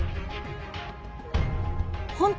本当？